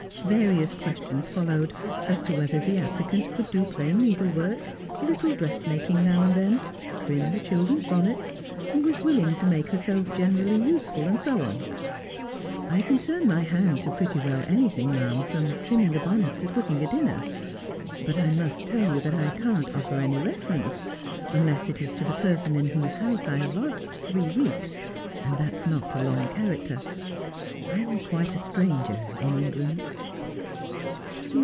Various questions followed, as to whether the applicant could do plain needlework, a little dressmaking now and then, trim the children's bonnets, was willing to make herself generally useful, and so on. ' I can turn my hand to pretty well anything, ma'am, from trimming a bonnet to cooking a dinner ; but I must tell you that I can't offer any reference, unless it is to the person in whose house I have lodged three weeks, and that's not a long character. I'm quite a stranger in England.'